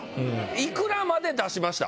いくらまで出しました？